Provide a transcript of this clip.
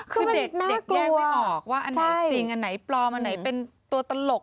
คือเด็กแยกไม่ออกว่าอันไหนจริงอันไหนปลอมอันไหนเป็นตัวตลก